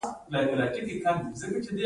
افغانان کله یوه خوله کیږي؟